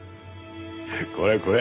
これこれ。